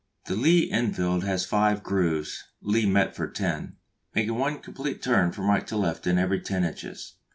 The Lee Enfield has five grooves (Lee Metford ten), making one complete turn from right to left in every ten inches.